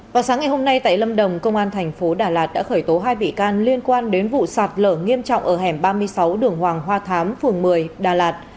vào sáng ngày hôm nay tại lâm đồng công an thành phố đà lạt đã khởi tố hai bị can liên quan đến vụ sạt lở nghiêm trọng ở hẻm ba mươi sáu đường hoàng hoa thám phường một mươi đà lạt